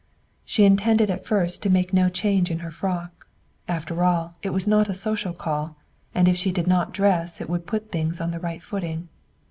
She intended at first to make no change in her frock. After all, it was not a social call, and if she did not dress it would put things on the right footing.